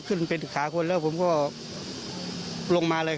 เราก็ไม่พูดไว้จ้าง